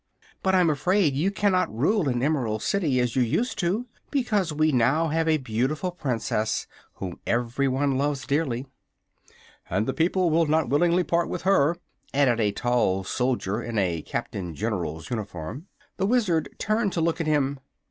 "But I'm afraid you cannot rule the Emerald City, as you used to, because we now have a beautiful Princess whom everyone loves dearly." "And the people will not willingly part with her," added a tall soldier in a Captain General's uniform. The Wizard turned to look at him.